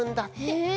へえ！